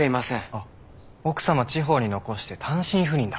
あっ奥さま地方に残して単身赴任だ。